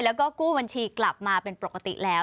แล้วก็กู้บัญชีกลับมาเป็นปกติแล้ว